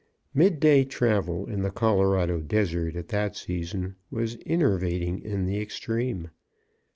Mid day travel, in the Colorado desert at that season, was enervating in the extreme.